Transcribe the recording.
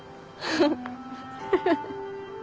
フフフ。